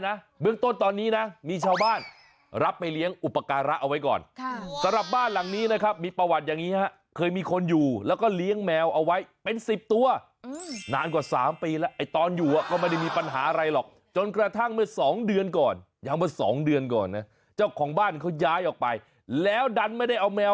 คือถ้ารียั้นไม่ไหวยังไงก็ประกาศไปสิคนที่เขาพร้อมจะรับเลี้ยงมันก็มีอยู่นะ